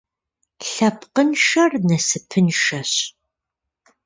Лъэпкъыншэр насыпыншэщ.